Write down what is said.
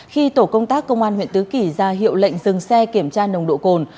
khi tổ công tác công an huyện tứ kỳ ra hiệu lệnh dừng xe kiểm tra nồng độ cồn